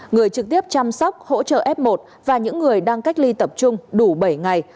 người trực tiếp chăm sóc hỗ trợ f một và những người đang cách ly tập trung đủ bảy ngày